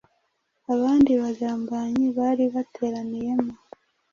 abandi bagambanyi bari bateraniyemo.